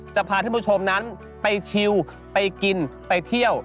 จะพาท่านผู้ชมนั้นไปชิวไปกินไปเที่ยว